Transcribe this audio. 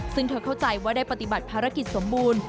ซึ่งเธอเข้าใจว่าได้ปฏิบัติภารกิจสมบูรณ์